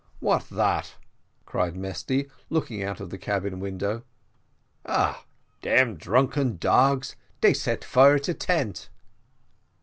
"What that?" cried Mesty, looking out of the cabin window "Ah! damn drunken dogs they set fire to tent."